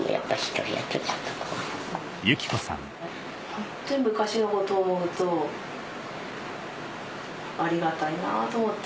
ホントに昔のことを思うとありがたいなと思って。